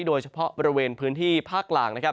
โดยเฉพาะบริเวณพื้นที่ภาคกลาง